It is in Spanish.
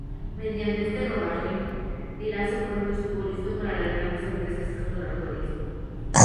Mediante este rodaje, Eraso pronto estuvo listo para las grandes empresas exploratorias.